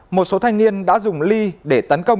một số thanh niên đã dùng ly để tấn công